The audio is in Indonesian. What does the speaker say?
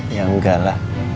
ya enggak lah